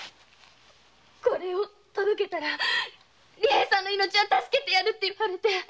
これを届けたら利平さんの命は助けてやるって言われて。